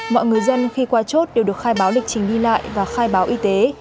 mọi người dân khi qua chốt đều được khai báo lịch trình đi lại và khai báo y tế